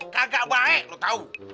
kagak baik lu tau